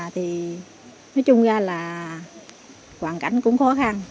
thì nói chung ra là hoàn cảnh cũng khó khăn